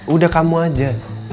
udah kamu aja